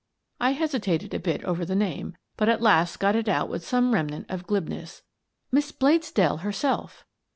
I hesitated a bit over the name, but at last got it out with some remnant of glibness. " Miss Bladesdell herself."